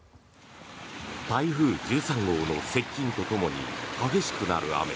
台風１３号の接近とともに激しくなる雨。